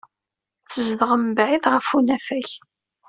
Tzedɣem mebɛid ɣef unafag.